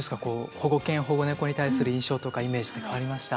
保護犬保護猫に対する印象とかイメージって変わりました？